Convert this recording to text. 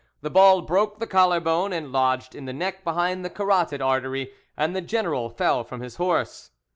The ball broke the collar bone and lodged in the neck behind the carotid artery, and the general fell from his horse.